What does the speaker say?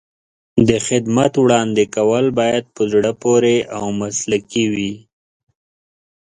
د خدمت وړاندې کول باید په زړه پورې او مسلکي وي.